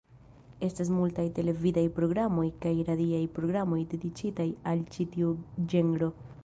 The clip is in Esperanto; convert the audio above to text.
Estas multaj televidaj programoj kaj radiaj programoj dediĉitaj al ĉi tiu ĝenro.